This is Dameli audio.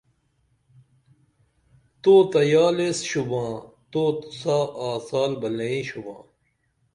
تو تہ یال ایس شُباں تو سا آڅال بہ لئیں شُباں